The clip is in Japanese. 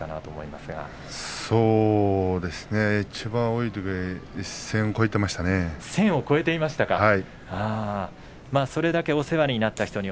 いちばん多いときは１０００を超えていましたね。